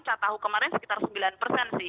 kita tahu kemarin sekitar sembilan persen sih